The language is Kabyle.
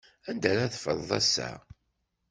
Anda ara tfeḍreḍ assa?